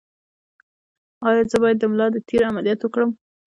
ایا زه باید د ملا د تیر عملیات وکړم؟